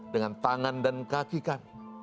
dengan tangan dan kaki kami